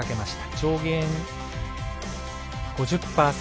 上限５０％。